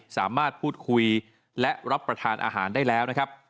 สามารถพูดคุยและรับประทานอาหารได้แล้วนะครับ